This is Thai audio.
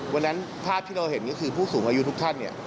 วันนั้นภาพที่เราเห็นก็คือผู้สูงอายุทุกท่าน